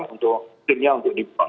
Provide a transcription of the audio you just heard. untuk timnya untuk dibuang